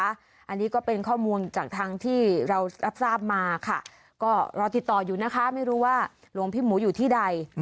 อันนี้ก็เป็นข้อมูลจากทางที่เรารับทราบมาค่ะก็รอติดต่ออยู่นะคะไม่รู้ว่าหลวงพี่หมูอยู่ที่ใด